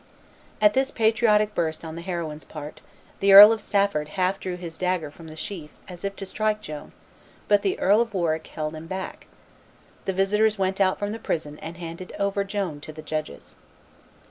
At this patriotic burst on the heroine's part, the Earl of Stafford half drew his dagger from the sheath as if to strike Joan, but the Earl of Warwick held him back. The visitors went out from the prison and handed over Joan to the judges.